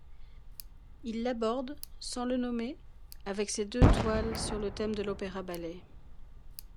Il l'aborde sans le nommer avec ces deux toiles sur le thème de l'opéra-ballet.